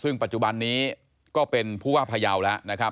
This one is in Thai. ซึ่งปัจจุบันนี้ก็เป็นผู้ว่าพยาวแล้วนะครับ